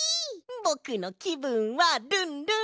ぼくのきぶんはルンルン！